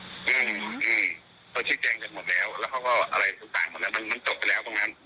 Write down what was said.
อืมอืมอืมเขาที่แจ้งกันหมดแล้วแล้วเขาก็อะไรต่างมันจบไปแล้วตรงนั้น